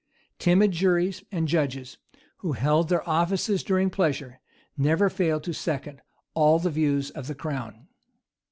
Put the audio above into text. Timid juries, and judges who held their offices during pleasure, never failed to second all the views of the crown.